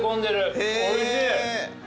おいしい。